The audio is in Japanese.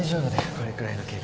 これくらいの怪我。